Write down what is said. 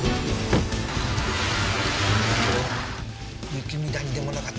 雪美谷でもなかったし雪